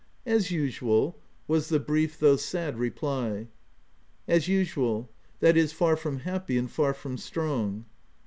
" As usual," was the brief though sad reply. a As usual — that is, far from happy and far from strong."